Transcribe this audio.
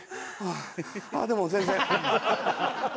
ああでも全然。